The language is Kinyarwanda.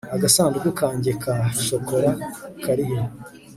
agasanduku kanjye ka shokora karihe